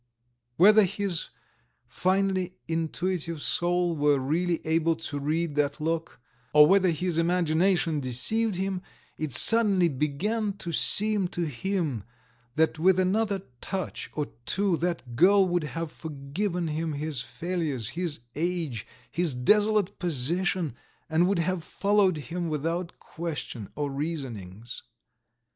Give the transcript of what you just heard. Whether his finely intuitive soul were really able to read that look, or whether his imagination deceived him, it suddenly began to seem to him that with another touch or two that girl would have forgiven him his failures, his age, his desolate position, and would have followed him without question or reasonings.